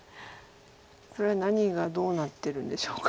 これは何がどうなってるんでしょうか。